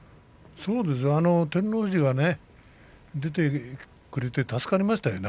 そうですね照ノ富士が出てくれて助かりましたね。